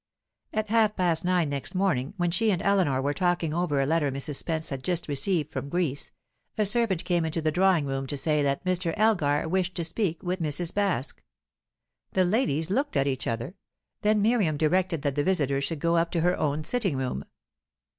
At half past nine next morning, when she and Eleanor were talking over a letter Mrs. Spence had just received from Greece, a servant came into the drawing room to say that Mr. Elgar wished to speak with Mrs. Baske. The ladies looked at each other; then Miriam directed that the visitor should go up to her own sitting room.